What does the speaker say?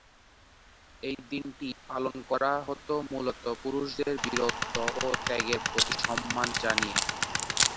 এই দিনটি পালন করা হতো মূলত পুরুষদের বীরত্ব আর ত্যাগের প্রতি সম্মান জানিয়ে।